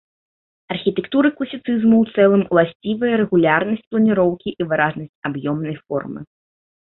Архітэктуры класіцызму ў цэлым уласцівая рэгулярнасць планіроўкі і выразнасць аб'ёмнай формы.